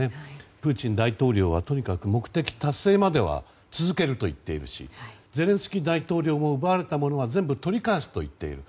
プーチン大統領はとにかく目的達成までは続けると言っているしゼレンスキー大統領も奪われたものは全部取り返すと言っている。